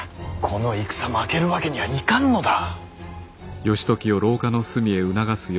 この戦負けるわけにはいかんのだ。